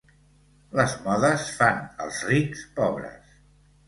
Les modes fan als rics pobres.